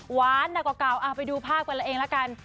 หวานหนักเกาไปดูภาพกันแล้วเองละกัน